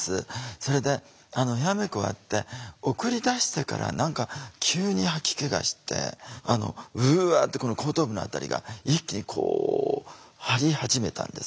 それでヘアメイク終わって送り出してから何か急に吐き気がしてあのうわってこの後頭部の辺りが一気にこう張り始めたんです。